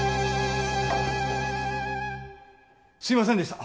すいませんでした。